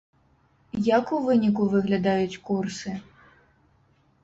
Як у выніку выглядаюць курсы?